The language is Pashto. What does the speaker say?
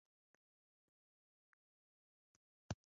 کلکه سطحه ډېر فریکشن جوړوي.